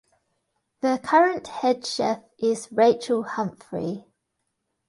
The current head chef is Rachel Humphrey.